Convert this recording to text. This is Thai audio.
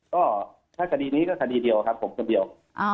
ก็ถ้าคดีนี้ก็คดีเดียวครับผมคนเดียว